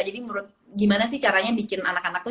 jadi gimana sih caranya bikin anak anak tuh